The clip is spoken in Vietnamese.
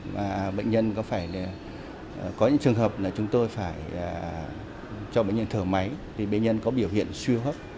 và bệnh nhân có phải có những trường hợp là chúng tôi phải cho bệnh nhân thở máy thì bệnh nhân có biểu hiện siêu hấp